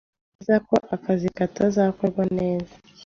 Nzi kandi ko akazi katazakorwa neza